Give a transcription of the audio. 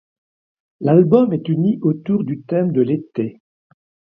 L'album est uni autour du thème de l'été.